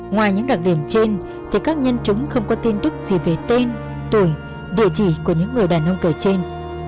ngoài những đặc điểm trên thì các nhân chứng không có tin tức gì về tên tuổi địa chỉ của những người đàn ông cờ trên